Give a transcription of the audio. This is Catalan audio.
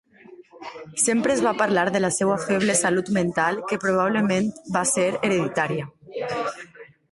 Sempre es va parlar de la seva feble salut mental que, probablement, va ser hereditària.